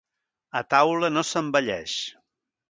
A taula no s'envelleix.